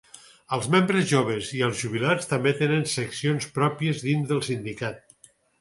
Els membres joves i els jubilats també tenen seccions pròpies dins del sindicat.